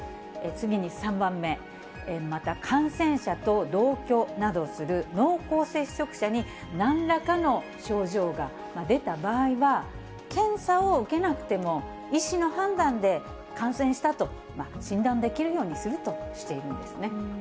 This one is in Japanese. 次に３番目、また感染者と同居などをする濃厚接触者になんらかの症状が出た場合は、検査を受けなくても、医師の判断で感染したと診断できるようにするとしているんですね。